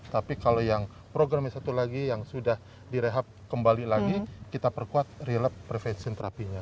tapi kalau yang programnya satu lagi yang sudah direhat kembali lagi kita perkuat relapse prevention terapinya